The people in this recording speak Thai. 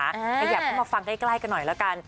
ขยับเข้ามาฟังใกล้กันหน่อยแล้วกัน